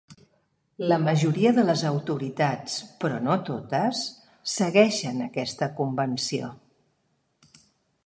La majoria de les autoritats, però no totes, segueixen aquesta convenció.